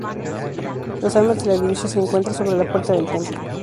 Las armas de la Divisa se encuentra sobre la puerta del templo.